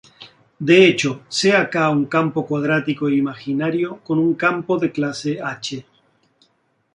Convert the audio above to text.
De hecho, sea "K" un campo cuadrático imaginario con un campo de clase "H".